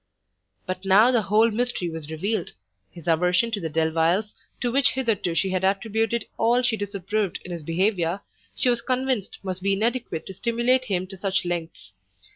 But now the whole mystery was revealed; his aversion to the Delviles, to which hitherto she had attributed all she disapproved in his behaviour, she was convinced must be inadequate to stimulate him to such lengths.